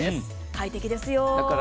快適ですよ。